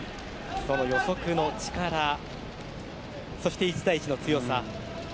その予測の力そして１対１の強さ。